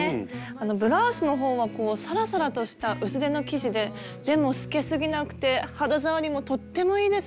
ブラウスのほうはサラサラとした薄手の生地ででも透けすぎなくて肌触りもとってもいいです。